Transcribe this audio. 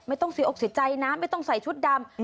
ไม่ต้องเสียอกเสียใจนะไม่ต้องใส่ชุดดำ